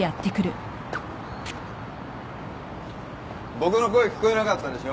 僕の声聞こえなかったでしょ？